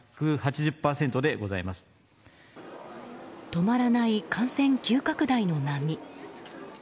止まらない感染急拡大の波。